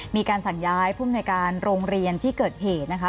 มีการสั่งย้ายภูมิในการโรงเรียนที่เกิดเหตุนะคะ